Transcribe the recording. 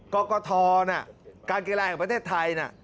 กรกฐการเกรงแรงของประเทศไทย